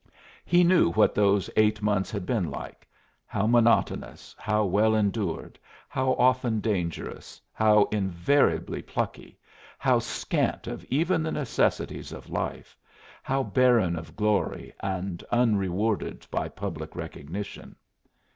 He knew what those eight months had been like; how monotonous, how well endured, how often dangerous, how invariably plucky, how scant of even the necessities of life, how barren of glory, and unrewarded by public recognition.